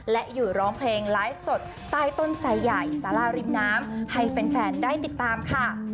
และอยู่ร้องเพลงไลฟ์สดใต้ต้นสายใหญ่สาราริมน้ำให้แฟนได้ติดตามค่ะ